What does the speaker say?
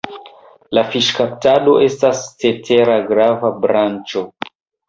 La fiŝkaptado estas cetera grava branĉo.